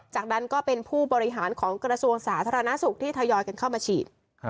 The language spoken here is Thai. จากนั้นก็เป็นผู้บริหารของกระทรวงสาธารณสุขที่ทยอยกันเข้ามาฉีด